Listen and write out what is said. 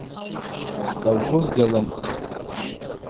Хӏколхоз гьалымцӏхтӏ.